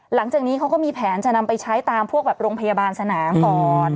หลังจากนี้เขาก็มีแผนจะนำไปใช้ตามพวกแบบโรงพยาบาลสนามก่อน